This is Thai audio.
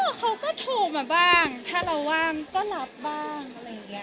ก็เค้าก็โทรมาบ้างถ้าเราว่างก็มีได้รับบ้างอะไรเหมือนเงี้ย